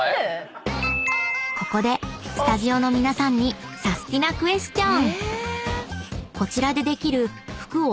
［ここでスタジオの皆さんにサスティなクエスチョン］